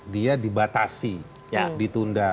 dia dibatasi ditunda